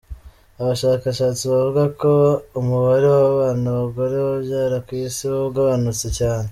Abashakashatsi bavuga ko umubare w'abana abagore babyara ku isi wagabunutse cyane.